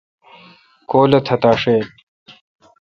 کول اہ۔ تتاشیل